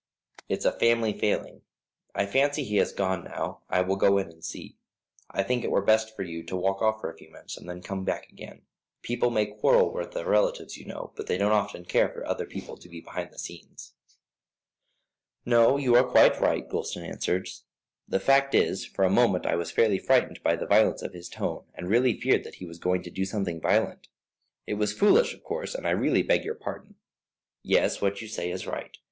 "It's a family failing. I fancy he has gone now. I will go in and see. I think it were best for you to walk off for a few minutes, and then come back again. People may quarrel with their relatives, you know, but they don't often care for other people to be behind the scenes." "No, you are quite right," Gulston answered; "the fact is, for the moment I was fairly frightened by the violence of his tone, and really feared that he was going to do something violent. It was foolish, of course, and I really beg your pardon. Yes, what you say is quite right.